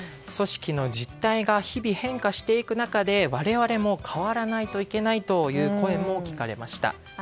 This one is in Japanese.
組織の実態が日々変化していく中で我々も変わらないといけないという声も聞かれました。